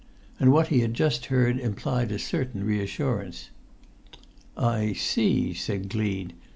And what he had just heard implied a certain reassurance. "I see," said Gleed.